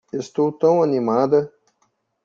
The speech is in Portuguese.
Estou tão animada!